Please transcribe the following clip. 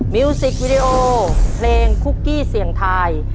มิวสิกวิดีโอเพลงคุกกี้เสี่ยงทาย